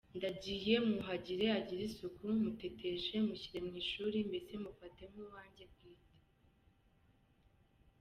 Ndagiye mwuhagire agire isuku, muteteshe, mushyire mu ishuri mbese mufate nk’uwanjye bwite.